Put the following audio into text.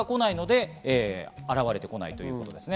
連絡が来ないので現れてこないということですね。